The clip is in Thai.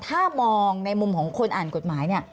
ถ้ามองในมุมของคนอ่านกฎหมายเนี่ย